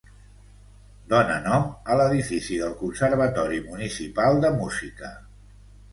Dóna nom a l'Edifici del Conservatori Municipal de Música.